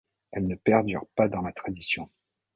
Elle ne perdure pas dans la tradition.